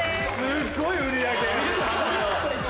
すっごい売り上げ。